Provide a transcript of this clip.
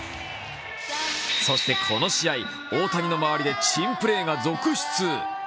そして、この試合、大谷の周りで珍プレーが続出。